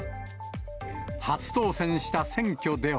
初当選した選挙では。